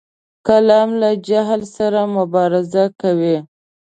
قلم له جهل سره مبارزه کوي